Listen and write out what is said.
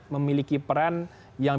memiliki peran yang